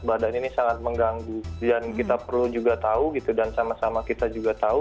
badan ini sangat mengganggu dan kita perlu juga tahu gitu dan sama sama kita juga tahu